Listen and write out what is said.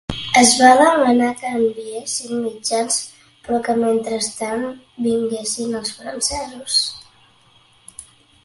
Es va demanar que enviessin mitjans, però que mentrestant vinguessin els francesos.